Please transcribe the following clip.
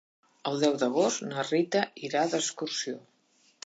El deu d'agost na Rita irà d'excursió.